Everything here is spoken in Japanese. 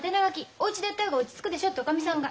おうちでやった方が落ち着くでしょっておかみさんが。